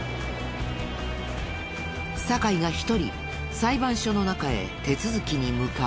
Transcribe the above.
酒井が一人裁判所の中へ手続きに向かう。